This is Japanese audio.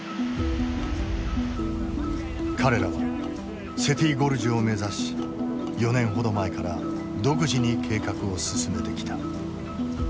彼らはセティ・ゴルジュを目指し４年ほど前から独自に計画を進めてきた。